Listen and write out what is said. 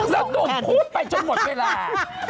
สักหนุ่มพุ้บไปจนหมดเวลา